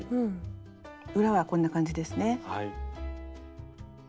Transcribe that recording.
裏はこんな感じですね。